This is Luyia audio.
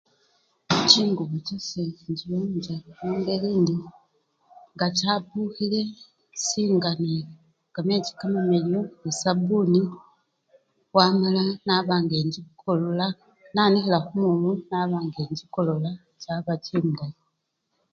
Chingubo chase inchiyonjja mungeli indi nga chapukhile, esinga nekamechi kamamiliyu nende sabuni wamala naba ngechikolola- nanikhila khumumu naba nga enchikolola chaba chindayi.